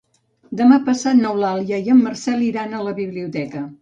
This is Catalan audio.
Demà passat n'Eulàlia i en Marcel iran a la biblioteca.